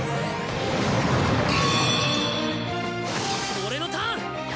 俺のターン！